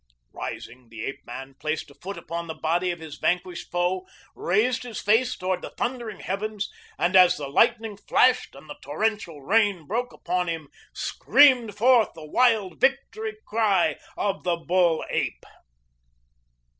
Rising, the ape man placed a foot upon the body of his vanquished foe, raised his face toward the thundering heavens, and as the lightning flashed and the torrential rain broke upon him, screamed forth the wild victory cry of the bull ape.